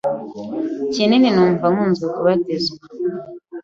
kinini numva nkunze kubatizwa,